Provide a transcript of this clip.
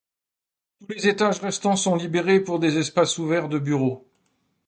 Tous les étages restants sont libérés pour des espaces ouverts de bureaux.